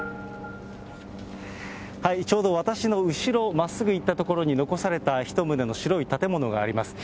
ちょうど私の後ろ、まっすぐ行った所に、残された１棟の白い建物があります。